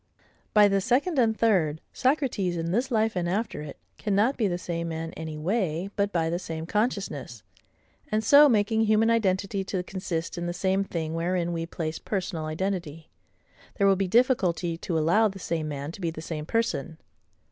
By the second and third, Socrates, in this life and after it, cannot be the same man any way, but by the same consciousness; and so making human identity to consist in the same thing wherein we place personal identity, there will be difficulty to allow the same man to be the same person.